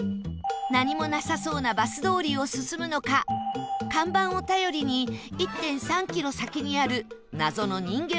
何もなさそうなバス通りを進むのか看板を頼りに １．３ キロ先にある謎の人間